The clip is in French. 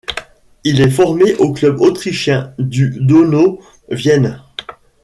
Il est formé au club autrichien du Donau Vienne.